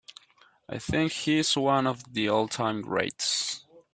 I think he's one of the all-time greats.